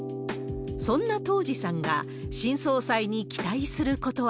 そんな田路さんが、新総裁に期待することは。